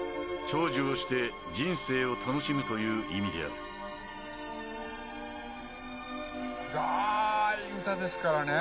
長寿をして人生を楽しむという意味である暗い歌ですからね